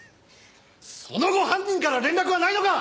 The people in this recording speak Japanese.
その後犯人から連絡はないのか？